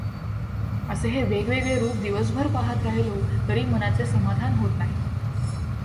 असे हे वेगवेगळे रूप दिवसभर पाहत राहिलो तरी मनाचे समाधान होत नाही.